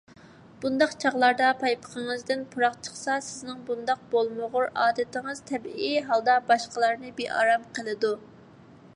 بۇنداق چاغلاردا پايپىقىڭىزدىن پۇراق چىقسا، سىزنىڭ بۇنداق بولمىغۇر ئادىتىڭىز تەبىئىي ھالدا باشقىلارنى بىئارام قىلىدۇ.